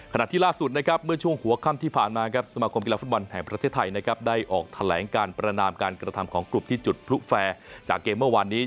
ขณะที่ล่าสุดนะครับเมื่อช่วงหัวค่ำที่ผ่านมาครับสมาคมกีฬาฟุตบอลแห่งประเทศไทยนะครับได้ออกแถลงการประนามการกระทำของกลุ่มที่จุดพลุแฟร์จากเกมเมื่อวานนี้